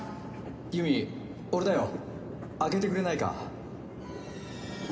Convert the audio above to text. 由美俺だよ。開けてくれないか？